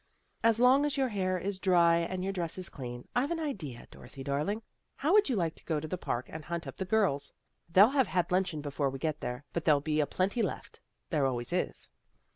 " And as long as your hah* is dry, and your dress is clean, I've an idea, Dorothy darling. How would you like to go to the Park and hunt up the girls? They'll have had luncheon before we get there, but there'll be a plenty left. There always is."